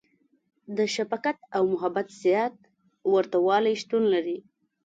• د شفقت او محبت زیات ورتهوالی شتون لري.